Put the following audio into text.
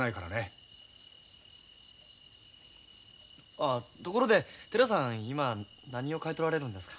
あところで寺さん今何を描いとられるんですか？